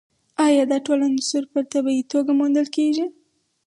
ایا دا ټول عناصر په طبیعي ډول موندل کیږي